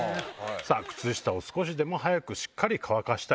靴下を少しでも早くしっかり乾かしたい。